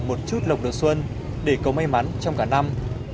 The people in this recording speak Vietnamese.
một chút lọc đồ xuân để cầu may mắn trong cả năm